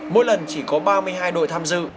mỗi lần chỉ có ba mươi hai đội tham dự